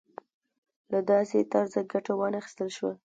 له داسې طرزه ګټه وانخیستل شوه.